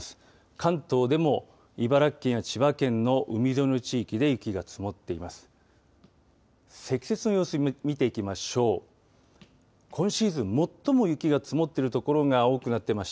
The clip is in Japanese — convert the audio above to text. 関東でも茨城県や千葉県の海沿いの地域で雪が積もっています。